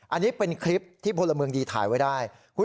อันนี้เป็นคลิปที่พลเมืองดีถ่ายไว้ได้